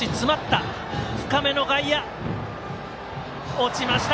落ちました。